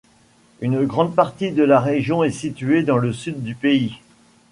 Une grande partie de la région est située dans le sud du pays.